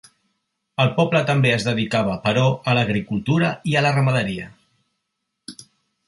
El poble també es dedicava però a l'agricultura i a la ramaderia.